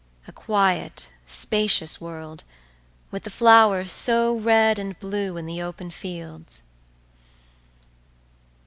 A quiet, spacious world, with the flowers so red and blue in the open fields.